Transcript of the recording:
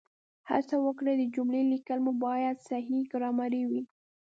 هڅه وکړئ د جملو لیکل مو باید صحیح ګرامري وي